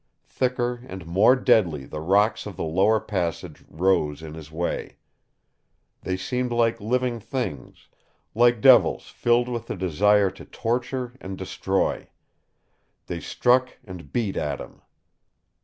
Thicker and more deadly the rocks of the lower passage rose in his way. They seemed like living things, like devils filled with the desire to torture and destroy. They struck and beat at him.